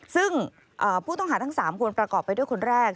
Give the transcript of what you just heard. ซึ่งผู้ต้องหาทั้ง๓คนประกอบไปด้วยคนแรก